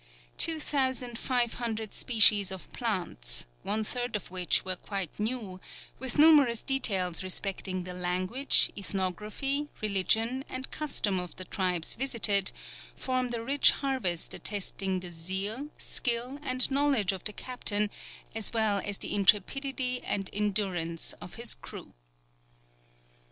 Two thousand five hundred species of plants, one third of which were quite new, with numerous details respecting the language, ethnography, religion, and customs of the tribes visited, formed a rich harvest attesting the zeal, skill, and knowledge of the captain as well as the intrepidity and endurance of his crew.